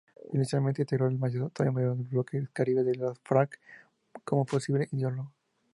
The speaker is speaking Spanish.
Inicialmente integró el Estado Mayor del Bloque Caribe de las Farc, como posible ideólogo.